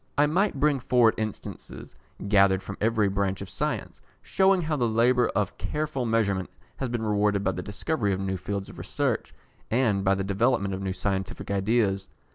I might bring forward instances gathered from every branch of science, shewing how the labour of careful measurement has been rewarded by the discovery of new fields of research, and by the development of new scientific ideas.